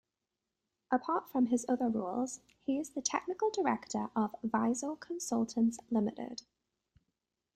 Apart from his other roles he is the Technical Director of Visor Consultants Limited.